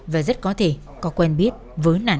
và rất có thể có quen biết với nạn nhân